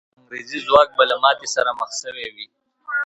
انګریزي ځواک به له ماتې سره مخ سوی وي.